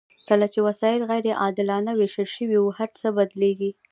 کله چې وسایل غیر عادلانه ویشل شوي وي هرڅه بدلیږي.